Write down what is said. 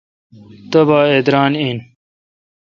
تبا اہ ادران این۔